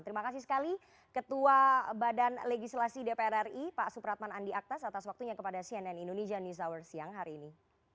terima kasih sekali ketua badan legislasi dpr ri pak supratman andi aktas atas waktunya kepada cnn indonesia news hour siang hari ini